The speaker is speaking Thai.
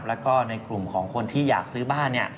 แล้วก็ในกลุ่มของคนที่อยากซื้อบ้านเนี่ย